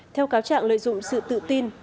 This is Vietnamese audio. theo cáo trạng lợi dụng sự tự tin